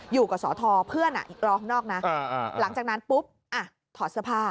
อยู่กับสอทอเพื่อนอีกรอข้างนอกนะหลังจากนั้นปุ๊บอ่ะถอดเสื้อผ้า